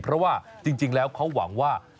เพราะว่าจริงแล้วเขาหวังว่า